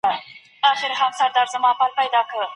د مغولو ترمنځ د اسلام خپراوی چټک و.